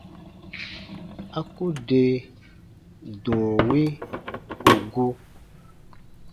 A ku de dɔ̃ɔ wi ù gu.